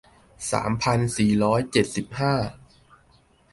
สามพันสี่ร้อยเจ็ดสิบห้า